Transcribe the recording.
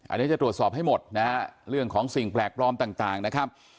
อันนี้จะตรวจสอบให้หมดนะฮะเรื่องของสิ่งแปลกปลอมต่างนะครับ